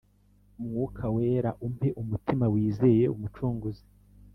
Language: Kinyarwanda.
Mwuka wera umpe umutima wizeye umucunguzi